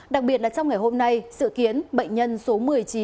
đặc biệt là trong ngày hôm nay sự kiến bệnh nhân số một mươi chín